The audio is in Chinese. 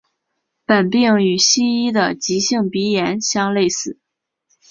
本病与西医的急性鼻炎相类似。